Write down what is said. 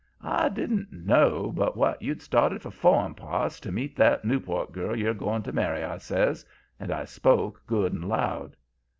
"'I didn't know but what you'd started for foreign parts to meet that Newport girl you're going to marry,' I says, and I spoke good and loud.